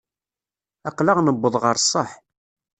Aql-aɣ newweḍ ɣer ṣṣeḥ.